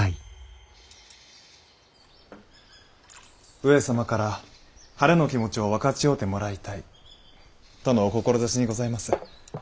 上様から晴れの気持ちを分かち合うてもらいたいとのお志にございます。